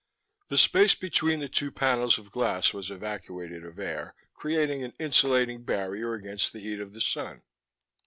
The space between the two panels of glass was evacuated of air, creating an insulating barrier against the heat of the sun.